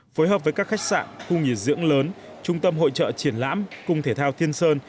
phối hợp với các khách sạn khu nghỉ dưỡng lớn trung tâm hội trợ triển lãm cung thể thao thiên sơn